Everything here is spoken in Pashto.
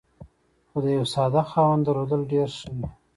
خو د یوه ساده خاوند درلودل ډېر ښه وي.